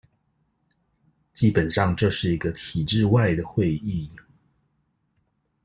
基本上這是一個體制外的會議